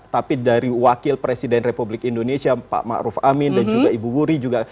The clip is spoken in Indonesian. tapi dari wakil presiden republik indonesia pak ma'ruf amin dan juga ibu wuri juga